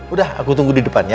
udah aku tunggu di depan ya